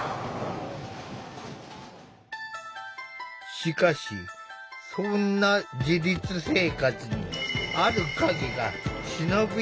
しかしそんな自立生活にある影が忍び寄っている。